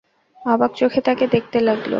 অবাক চোখে তাঁকে দেখতে লাগল।